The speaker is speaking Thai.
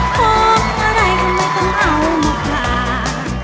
ของอะไรก็ไม่ต้องเอามาขาด